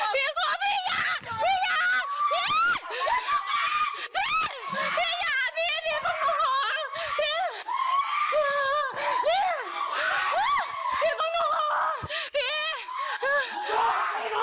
พี่หลบห่อ